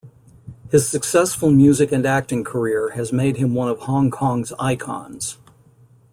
His successful music and acting career has made him one of Hong Kong's icons.